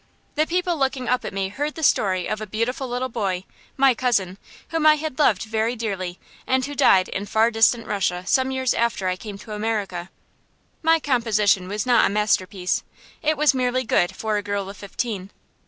The people looking up at me heard the story of a beautiful little boy, my cousin, whom I had loved very dearly, and who died in far distant Russia some years after I came to America. My composition was not a masterpiece; it was merely good for a girl of fifteen.